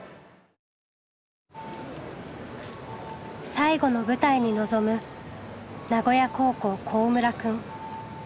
最後の舞台に臨む名古屋高校幸村くん。